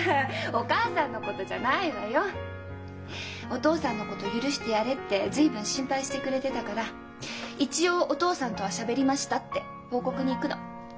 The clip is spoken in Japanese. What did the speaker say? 「お父さんのこと許してやれ」って随分心配してくれてたから一応お父さんとはしゃべりましたって報告に行くの。